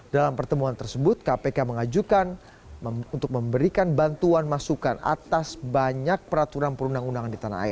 dalam pertemuan tersebut kpk mengajukan untuk memberikan bantuan masukan atas banyak peraturan perundang undangan